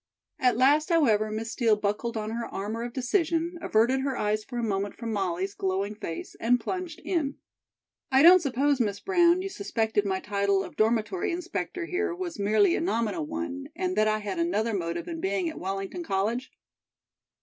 At last, however, Miss Steel buckled on her armor of decision, averted her eyes for a moment from Molly's glowing face and plunged in. "I don't suppose, Miss Brown, you suspected my title of 'Dormitory Inspector' here was merely a nominal one, and that I had another motive in being at Wellington College?"